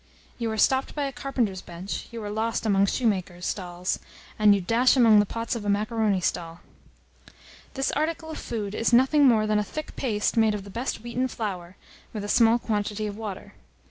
You are stopped by a carpenter's bench, you are lost among shoemakers' stalls, and you dash among the pots of a macaroni stall." This article of food is nothing more than a thick paste, made of the best wheaten flour, with a small quantity of water.